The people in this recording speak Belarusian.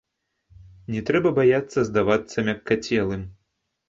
Не трэба баяцца здавацца мяккацелым.